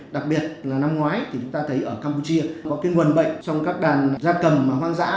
đặc biệt là năm ngoái thì chúng ta thấy ở campuchia có cái nguồn bệnh trong các đàn da cầm và hoang dã